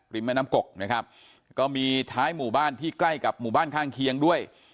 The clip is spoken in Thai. แม่น้ำกกนะครับก็มีท้ายหมู่บ้านที่ใกล้กับหมู่บ้านข้างเคียงด้วย